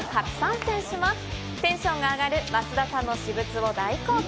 テンションが上がる増田さんの私物を大公開。